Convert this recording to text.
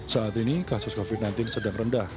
saat ini kasus covid sembilan belas sedang rendah